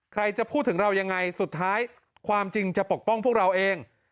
ใครจะพูดถึงเรายังไงสุดท้ายความจริงจะปกป้องพวกเราเอง